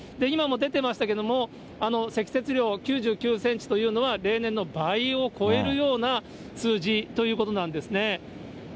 今も出てましたけども、積雪量、９９センチというのは、例年の倍を超えるような数字ということなんですね。